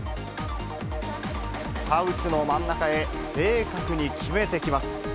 ハウスの真ん中へ正確に決めてきます。